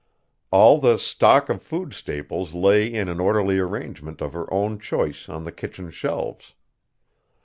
All the stock of food staples lay in an orderly arrangement of her own choice on the kitchen shelves.